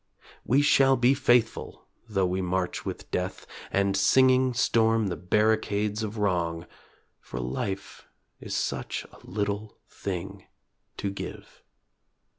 We shall be faithful though we march with Death And singing storm the barricades of Wrong, For life is such a little thing to give.